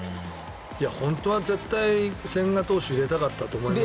本当は絶対、千賀投手入れたかったと思いますよ。